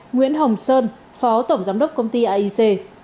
nguyễn hồng sơn phó tổng giám đốc công ty aic